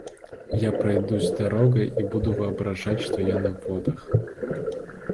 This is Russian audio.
Я пройдусь дорогой и буду воображать, что я на водах.